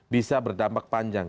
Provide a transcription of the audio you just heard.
bisa berdampak panjang